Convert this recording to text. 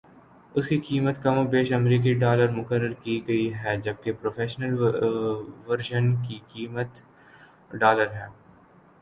اسکی قیمت کم و بیش امریکی ڈالر مقرر کی گئ ہے جبکہ پروفیشنل ورژن کی قیمت ڈالر ہے